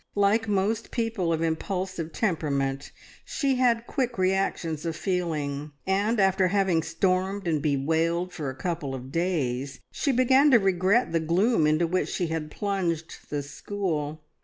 Like most people of impulsive temperament, she had quick reactions of feeling, and after having stormed and bewailed for a couple of days, she began to regret the gloom into which she had plunged the school.